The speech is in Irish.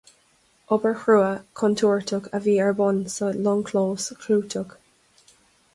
Obair chrua, chontúirteach a bhí ar bun sa longchlós chlúiteach.